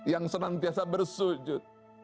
yang senantiasa bersujud